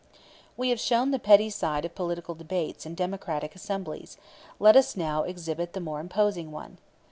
We have shown the petty side of political debates in democratic assemblies let us now exhibit the more imposing one.